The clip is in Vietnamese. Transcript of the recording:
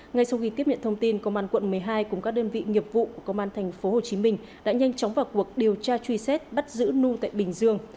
ngay sau khi tiếp nhận thông tin công an quận một mươi hai cùng các đơn vị nghiệp vụ của công an thành phố hồ chí minh đã nhanh chóng vào cuộc điều tra truy xét bắt giữ nhu tại bình dương